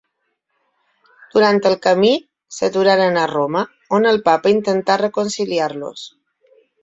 Durant el camí, s'aturaren a Roma, on el papa intentà reconciliar-los.